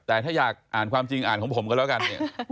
แต่ถ้าอยากอ่านความจริงอ่านของผมก็ละกัน